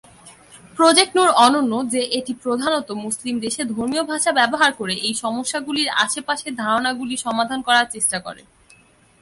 Project Noor অনন্য যে এটি প্রধানত মুসলিম দেশে ধর্মীয় ভাষা ব্যবহার করে এই সমস্যাগুলির আশেপাশের ধারণাগুলি সমাধান করার চেষ্টা করে।